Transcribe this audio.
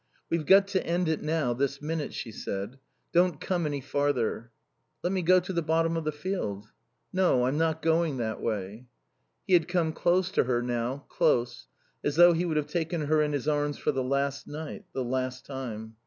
"We've got to end it now, this minute," she said. "Don't come any farther." "Let me go to the bottom of the field." "No. I'm not going that way." He had come close to her now, close, as though he would have taken her in his arms for the last night, the last time.